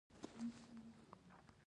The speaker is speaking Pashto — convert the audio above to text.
په نړۍ کې هر څه موږ ته د ايمان درس راکوي.